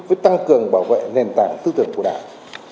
với tăng cường bảo vệ nền tảng tư tưởng của đảng